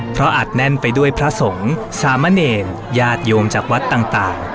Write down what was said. เพราะอาจแน่นไปด้วยพระสงฆ์สามะเนรญาติโยมจากวัดต่าง